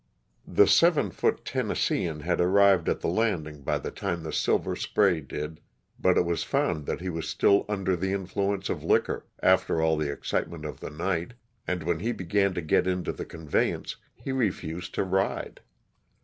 The seven foot Tennesseean had arrived at the landing by the LOSS OF THE StTLtAKA. ^51 time the " Silver Spray " did, but it was found that he was still under the influence of liquor, after all the excitement of the night, and when he began to get into the conveyance he refused to ride.